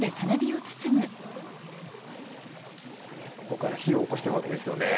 ここから火をおこしていくわけですよね。